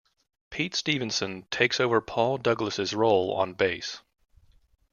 Pete Stevenson takes over Paul Douglas' role on bass.